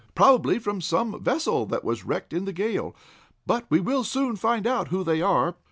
"Probably from some vessel that was wrecked in the gale. But we will soon find out who they are."